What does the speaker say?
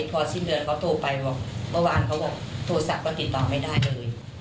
พอสิ้นเดือนเขาโทรไปบอกเมื่อวานเขาบอกโทรศัพท์ก็ติดต่อไม่ได้เลย